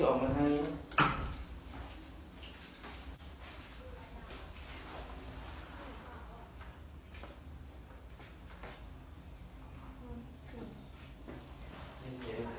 ตอนนี้ก็ไม่มีเวลาให้กลับไปแต่ตอนนี้ก็ไม่มีเวลาให้กลับไป